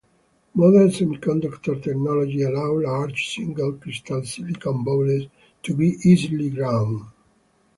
Modern semiconductor technology allows large single-crystal silicon boules to be easily grown.